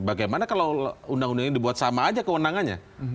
bagaimana kalau undang undangnya dibuat sama aja kewenangannya